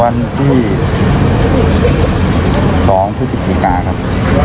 วันที่สองทุกสิบสี่กาครับครับ